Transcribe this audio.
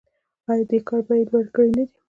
آیا دې کار بیې لوړې کړې نه دي؟